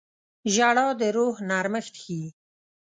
• ژړا د روح نرمښت ښيي.